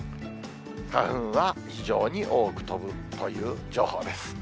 花粉は非常に多く飛ぶという情報です。